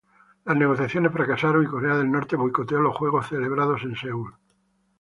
Las negociaciones fracasaron y Corea del Norte boicoteó los Juegos celebrados en Seúl.